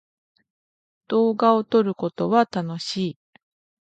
動画を撮ることは楽しい。